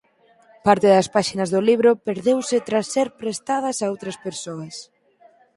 Parte das páxinas do libro perdeuse tras ser prestadas a outras persoas.